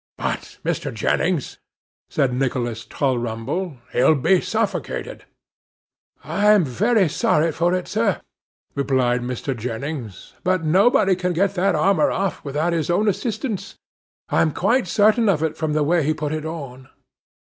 'But, Mr. Jennings,' said Nicholas Tulrumble, 'he'll be suffocated.' 'I'm very sorry for it, sir,' replied Mr. Jennings; 'but nobody can get that armour off, without his own assistance. I'm quite certain of it from the way he put it on.